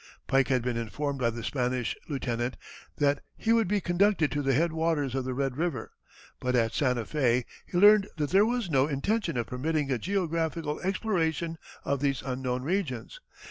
Pike had been informed by the Spanish lieutenant that he would be conducted to the head waters of the Red River, but at Santa Fé he learned that there was no intention of permitting a geographical exploration of these unknown regions.